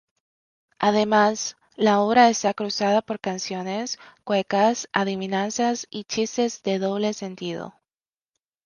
Además, la obra está cruzada por canciones, cuecas, adivinanzas y chistes de doble sentido.